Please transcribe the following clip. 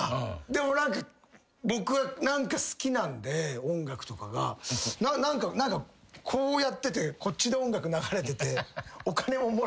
でも僕は好きなんで音楽とかが。何かこうやっててこっちで音楽流れてて。